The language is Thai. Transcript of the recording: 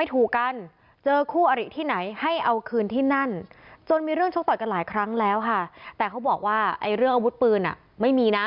แต่เขาบอกว่าเรื่องอาวุธปืนไม่มีนะ